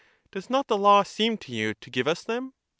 Does not the law seem to you to give us them?